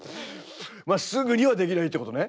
まあすぐにはできないってことね。